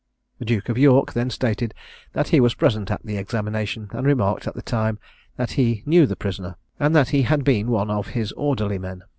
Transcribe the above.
The Duke of York then stated, that he was present at the examination; he remarked at the time that he knew the prisoner, and that he had been one of his orderly men.